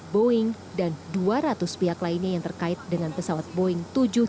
boeing dan dua ratus pihak lainnya yang terkait dengan pesawat boeing